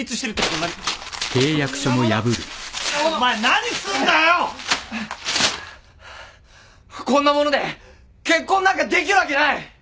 こんなもので結婚なんかできるわけない！